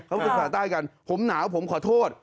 พูดว่าสาวใต้กันผมหนาวผมขอโทษ